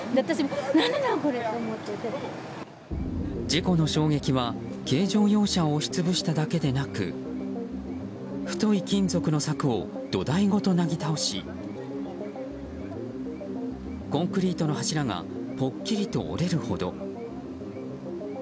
事故の衝撃は軽乗用車を押し潰しただけでなく太い金属の柵を土台ごとなぎ倒しコンクリートの柱がぽっきりと、折れるほど。